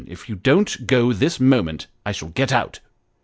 if you don't go this moment, I shall get out."